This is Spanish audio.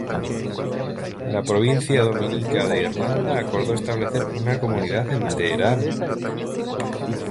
La Provincia Dominica de Irlanda acordó establecer una comunidad en Teherán.